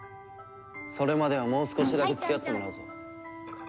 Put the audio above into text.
それまではもう少しだけ付き合ってもらうぞ。